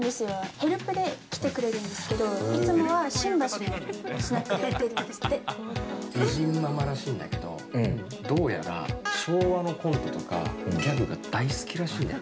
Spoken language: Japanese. ヘルプで来てくれるんですけど、いつもは新橋のスナックでやって美人ママらしいんだけど、どうやら昭和のコントとか、ギャグが大好きらしいのよ。